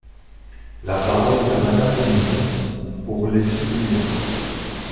La parole est à Madame la ministre, pour les soutenir.